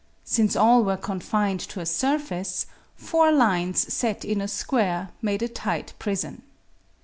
Since all were confined to a surface, four lines set in a square made a tight prison.